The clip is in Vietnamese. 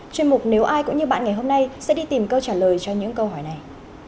chuyên mục nếu ai cũng như bạn ngày hôm nay sẽ đi tìm câu trả lời cho những câu hỏi này